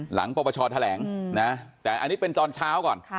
หลังประประชอแถลงนะแต่อันนี้เป็นตอนเช้าก่อน